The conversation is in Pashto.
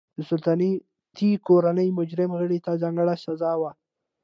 د سلطنتي کورنۍ مجرم غړي ته ځانګړې سزا وه.